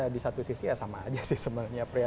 di satu sisi ya sama aja sih sebenarnya pria